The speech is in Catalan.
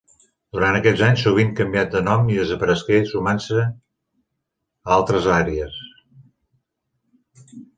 Durant aquests anys sovint canviat de nom i desaparegué sumant-se a altres àrees.